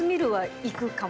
「いくかも」？